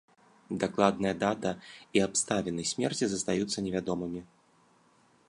Дакладная дата і абставіны смерці застаюцца невядомымі.